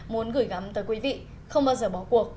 muốn gửi gắm tới quý vị không bao giờ bỏ cuộc